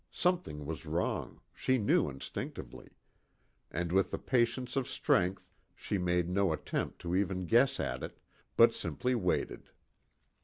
Something was wrong, she knew instinctively; and, with the patience of strength, she made no attempt to even guess at it, but simply waited.